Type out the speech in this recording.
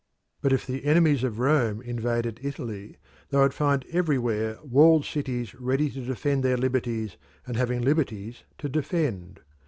But if the enemies of Rome invaded Italy they would find everywhere walled cities ready to defend their liberties and having liberties to defend.